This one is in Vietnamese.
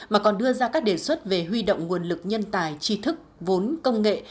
mà còn đưa ra các đề xuất về huy động nguồn lực nhân tài tri thức vốn công nghệ